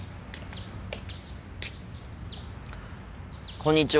こんにちは。